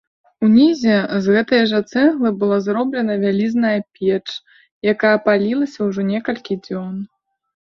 Унізе з гэтай жа цэглы была зроблена вялізная печ, якая палілася ўжо некалькі дзён.